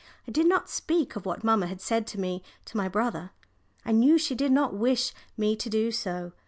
I did not speak of what mamma had said to me to my brother. I knew she did not wish me to do so.